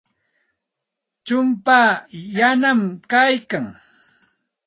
Chumpaa yanami kaykan.